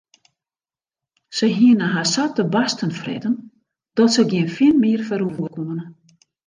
Se hiene har sa te barsten fretten dat se gjin fin mear ferroere koene.